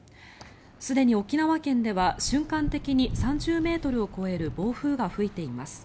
すでに沖縄県では瞬間的に３０ｍを超える暴風が吹いています。